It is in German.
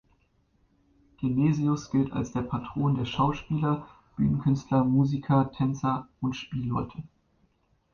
Genesius gilt als der Patron der Schauspieler, Bühnenkünstler, Musiker, Tänzer und Spielleute.